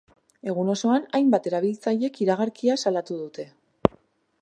Egun osoan, hainbat erabiltzailek iragarkia salatu dute.